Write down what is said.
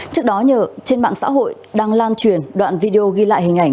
trước đó nhờ trên mạng xã hội đang lan truyền đoạn video ghi lại hình ảnh